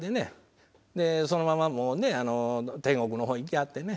でそのままもうね天国の方行きはってね。